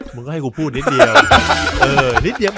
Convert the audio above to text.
มึงก็ให้กูพูดนิดเดียว